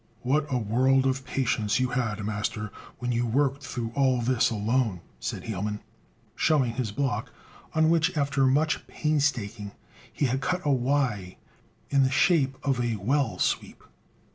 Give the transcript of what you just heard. "What a world of patience you had, master, when you worked through all this alone!" said Hielman, showing his block, on which, after much painstaking, he had cut a Y in the shape of a well sweep.